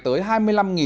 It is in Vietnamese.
tổng thống mỹ